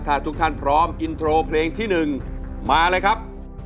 ถ้าทุกท่านพร้อมอินโทรเพลงที่๑มาเลยครับ